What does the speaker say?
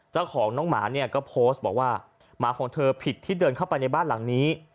เจ้าของน้องหมาเนี่ยก็โพสต์บอกว่าหมาของเธอผิดที่เดินเข้าไปในบ้านหลังนี้